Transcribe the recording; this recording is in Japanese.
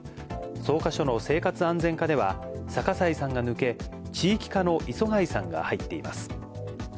草加署の生活安全課では、逆井さんが抜け、地域課の磯貝さんが入っています。